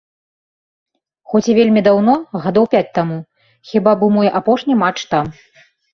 Хоць і вельмі даўно, гадоў пяць таму, хіба, быў мой апошні матч там.